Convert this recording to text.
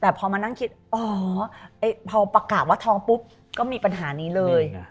แต่พอมานั่งคิดอ๋อพอประกาศว่าท้องปุ๊บก็มีปัญหานี้เลย